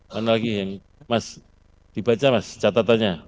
kan lagi yang mas dibaca mas catatannya